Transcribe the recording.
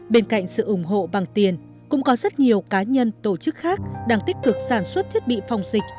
bên cạnh sự ủng hộ bằng tiền cũng có rất nhiều cá nhân tổ chức khác đang tích cực sản xuất thiết bị phòng dịch